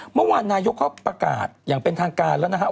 เมื่อวานนายกเขาประกาศอย่างเป็นทางการแล้วนะครับ